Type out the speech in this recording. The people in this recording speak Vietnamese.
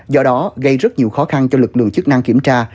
do đó gây rất nhiều khó khăn cho lực lượng chức năng kiểm tra